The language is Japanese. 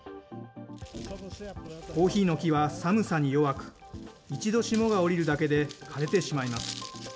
コーヒーの木は寒さに弱く、一度霜が降りるだけで枯れてしまいます。